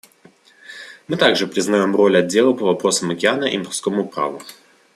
Мы также признаем роль Отдела по вопросам океана и морскому праву.